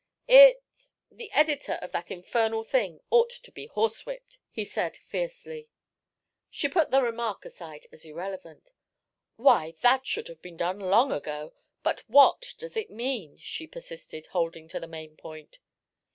"It the editor of that infernal thing ought to be horsewhipped," he said, fiercely. She put the remark aside as irrelevant. "Why, that should have been done long ago. But what does it mean?" she persisted, holding to the main point.